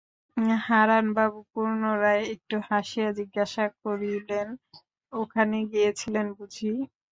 হারানবাবু পুনরায় একটু হাসিয়া জিজ্ঞাসা করিলেন, ওখানে গিয়েছিলেন বুঝি?